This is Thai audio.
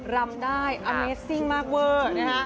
รำได้อันเนสซิ่งมากเวอร์